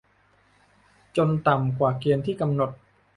จนต่ำกว่าเกณฑ์ที่กำหนด